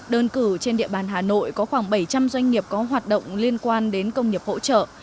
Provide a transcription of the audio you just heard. đơn cử trên địa bàn hà nội có khoảng bảy trăm linh doanh nghiệp có hoạt động liên quan đến công nghiệp hỗ trợ